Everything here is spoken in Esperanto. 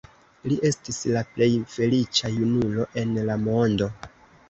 Li estis la plej feliĉa junulo en la mondo.